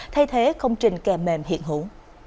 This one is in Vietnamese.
thay thế không trình kè mềm hiện hữu